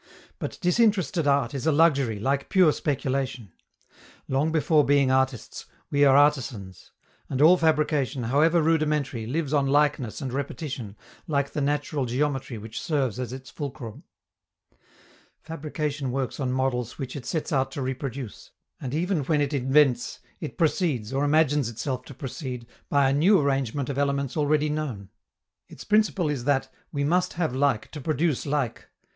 But disinterested art is a luxury, like pure speculation. Long before being artists, we are artisans; and all fabrication, however rudimentary, lives on likeness and repetition, like the natural geometry which serves as its fulcrum. Fabrication works on models which it sets out to reproduce; and even when it invents, it proceeds, or imagines itself to proceed, by a new arrangement of elements already known. Its principle is that "we must have like to produce like."